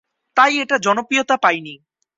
তাই এটা জনপ্রিয়তা পায়নি।